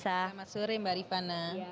selamat sore mbak rifana